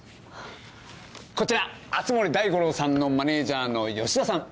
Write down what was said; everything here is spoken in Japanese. こちら熱護大五郎さんのマネジャーの吉田さん。